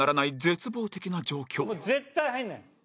絶対入らない。